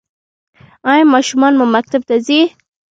ایا ماشومان مو مکتب ته ځي؟